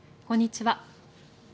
こんにちは。